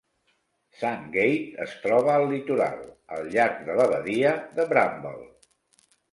Sandgate es troba al litoral, al llarg de la badia de Bramble.